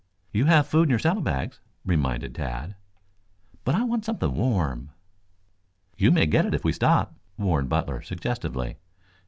"You have food in your saddle bags," reminded Tad. "But I want something warm." "You may get it if you stop," warned Butler suggestively.